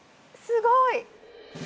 すごい！